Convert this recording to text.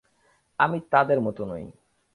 আমি তাদের মত নই।